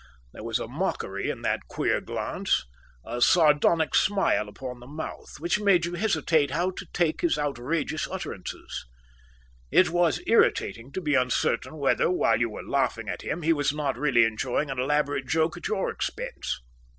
There was a mockery in that queer glance, a sardonic smile upon the mouth, which made you hesitate how to take his outrageous utterances. It was irritating to be uncertain whether, while you were laughing at him, he was not really enjoying an elaborate joke at your expense.